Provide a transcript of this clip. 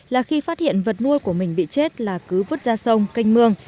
là khi phát hiện vật nuôi của mình bị chết là cứ vứt ra sông canh mương